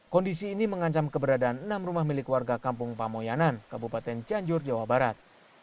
kondisi ini mengancam keberadaan enam rumah milik warga kampung pamoyanan kabupaten cianjur jawa barat